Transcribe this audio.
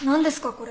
これ。